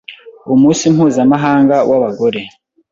Umunsi Mpuzamahanga w,abagore